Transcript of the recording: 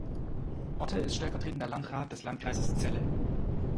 Otte ist stellvertretender Landrat des Landkreises Celle.